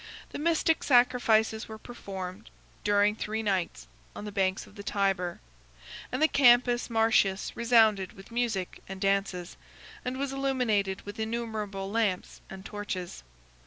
The mystic sacrifices were performed, during three nights, on the banks of the Tyber; and the Campus Martius resounded with music and dances, and was illuminated with innumerable lamps and torches.